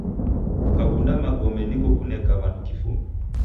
Kukakunda magome niko kuneka w'andu kifumbi.